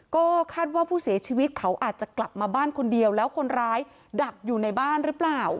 ก็คาดว่าผู้เสียชีวิตเขาอาจจะกลับมาบ้านคนเดียวแล้วคนร้ายดักอยู่ในบ้านหรือเปล่า